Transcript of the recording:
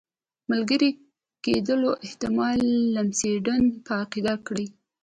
ملګري کېدلو احتمال لمسډن په عقیده کړ.